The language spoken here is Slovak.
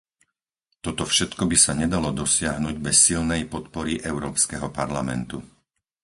Toto všetko by sa nedalo dosiahnuť bez silnej podpory Európskeho parlamentu.